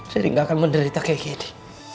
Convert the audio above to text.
saya tidak akan menderita seperti ini